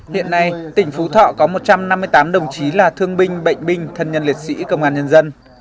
hiện nay tỉnh phú thọ có một trăm năm mươi tám đồng chí là thương binh bệnh binh thân nhân liệt sĩ công an nhân dân